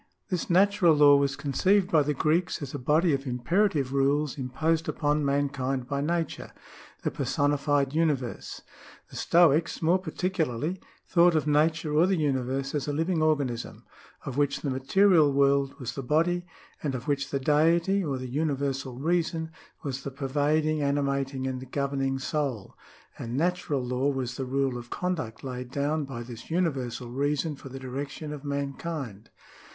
This natural law was conceived by the Greeks as a body of imperative rules imposed upon mankind by Nature, the personified universe. The Stoics, more particularly, thought of Nature or the Universe as a living organism, of which the material world was the body, and of which the Deity or the Universal Reason was the pervading, animating, and governing soul ; and natural law was the rule of conduct laid down by this Universal Reason for the direction of mankind.